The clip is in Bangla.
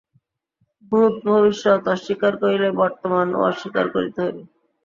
ভূত-ভবিষ্যৎ অস্বীকার করিলে বর্তমানও অস্বীকার করিতে হইবে।